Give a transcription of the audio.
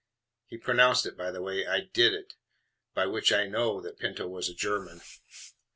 (He pronounced it, by the way, I DIT it, by which I KNOW that Pinto was a German.)